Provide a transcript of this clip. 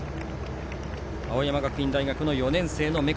青山学院大学４年生の目片。